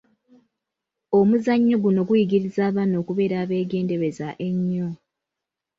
Omuzannyo guno guyigiriza abaana okubeera abeegendereza ennyo.